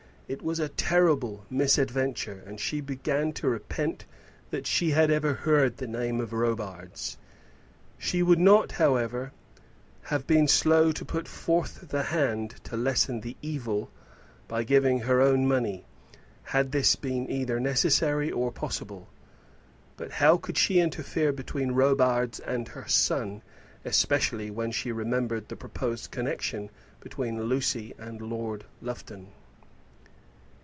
It was a terrible misadventure, and she began to repent that she had ever heard the name of Robarts. She would not, however, have been slow to put forth the hand to lessen the evil by giving her own money, had this been either necessary or possible. But how could she interfere between Robarts and her son, especially when she remembered the proposed connection between Lucy and Lord Lufton?